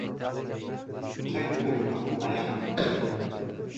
• Ikki aka-ukadan hatto ayiq ham qo‘rqadi.